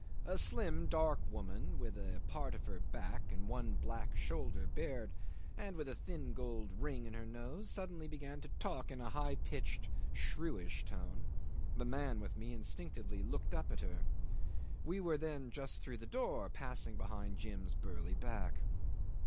A slim dark woman, with part of her back and one black shoulder bared, and with a thin gold ring in her nose, suddenly began to talk in a high pitched, shrewish tone. The man with me instinctively looked up at her. We were then just through the door, passing behind Jim's burly back.